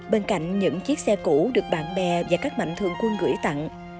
bên cạnh những chiếc xe cũ được bạn bè và các mạnh thượng quân gửi tặng